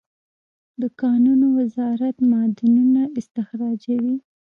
د کانونو وزارت معدنونه استخراجوي